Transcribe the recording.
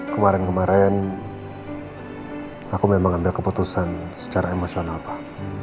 kemaren kemaren aku memang ambil keputusan secara emosional pak